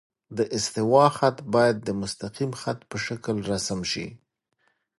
د استوا خط باید د مستقیم خط په شکل رسم شي